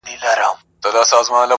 ما وېل سفر کومه ځمه او بیا نه راځمه.